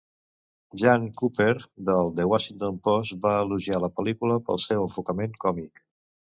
Jeanne Cooper del "The Washington Post" va elogiar la pel·lícula pel seu enfocament còmic.